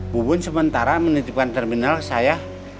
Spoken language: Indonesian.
bubun sementara menitipkan terminal saya